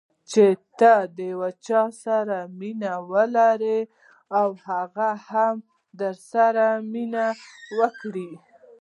چې ته د یو چا سره مینه ولرې او هغه هم درسره مینه وکړي.